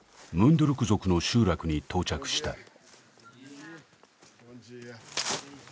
ムンドゥルク族の集落に到着した